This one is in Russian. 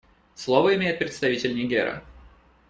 Слово имеет представитель Нигера.